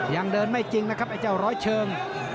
ยังเดินไม่จริงนะครับไอ้เจ้าร้อยเชิง